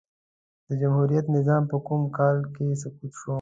د جمهوريت نظام په کوم کال کی سقوط سو؟